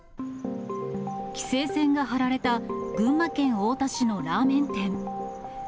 規制線が張られた、群馬県太田市のラーメン店。